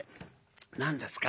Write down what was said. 「何ですか？